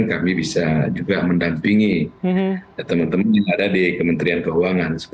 kami bisa juga mendampingi teman teman yang ada di kementerian keuangan